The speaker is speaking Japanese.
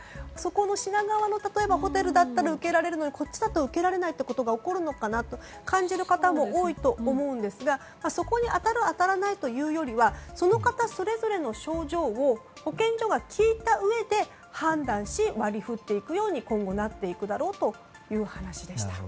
品川のホテルだったら受けられるのに、こっちだと受けられないということが起こるのかなと感じる方も多いと思うんですがそこに当たる当たらないというよりはその方それぞれの症状を保健所が聞いたうえで判断し割り振っていくように今後、なっていくだろうという話でした。